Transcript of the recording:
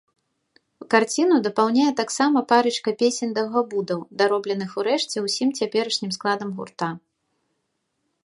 Карціну дапаўняе таксама парачка песень-даўгабудаў, даробленых урэшце ўсім цяперашнім складам гурта.